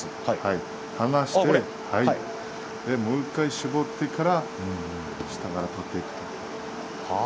離してもう１回絞ってから下から取っていく。